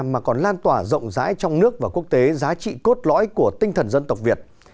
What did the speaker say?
mà còn lan tỏa rộng rãi trong nước và quốc tế giá trị cốt lõi của tinh thần dân tộc việt